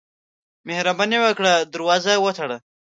مهرباني وکړه، دروازه وتړه.